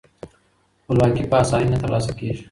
خپلواکي په اسانۍ نه ترلاسه کیږي.